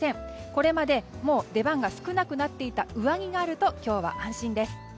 これまで出番が少なくなっていた上着も今日あると安心です。